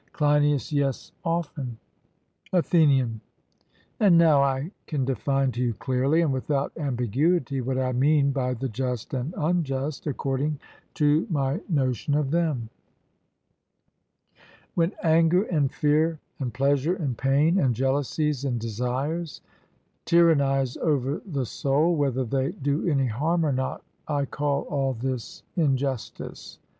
CLEINIAS: Yes, often. ATHENIAN: And now I can define to you clearly, and without ambiguity, what I mean by the just and unjust, according to my notion of them: When anger and fear, and pleasure and pain, and jealousies and desires, tyrannize over the soul, whether they do any harm or not I call all this injustice.